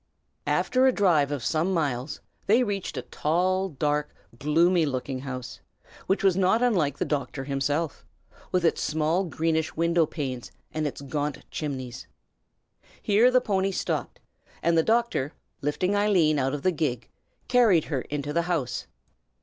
After a drive of some miles, they reached a tall, dark, gloomy looking house, which was not unlike the doctor himself, with its small greenish window panes and its gaunt chimneys. Here the pony stopped, and the doctor, lifting Eileen out of the gig, carried her into the house.